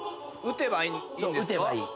撃てばいい。